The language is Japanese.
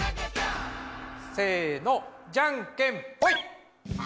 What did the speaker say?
せのじゃんけんぽい。